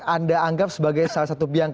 anda anggap sebagai salah satu biang